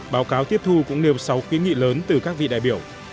báo cáo tiếp thu cũng nêu sáu kiến nghị lớn từ các vị đại biểu